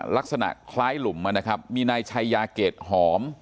ลักษณะคล้ายหลุมนะครับมีนายชัยยาเกรดหอม